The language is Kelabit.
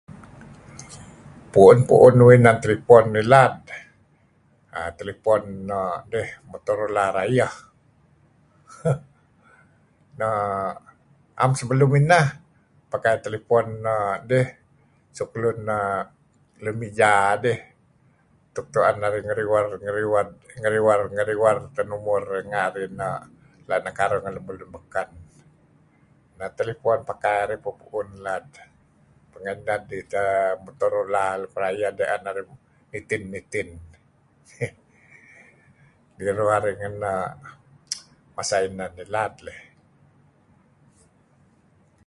Pu'un-pu'un uih neh telepon ngilad err telepon nok dih Motorola rayeh err am sebelum inah pakai telepon no' dih suk luun meja dih suk tu'en narih ngeriwed ngeriwer-ngeriwer teh numur idih renga' narih la' nekaruh ngan lemulun beken. Neh telepon pakai arih pu'un-pu'un lad. Pingan inah idih teh Motorola luk rayeh tu'en narih nitin-nitin .Riruh arih ngan masa inah ilad leh.